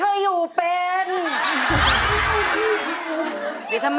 เป็นเรื่องราวของแม่นาคกับพี่ม่าครับ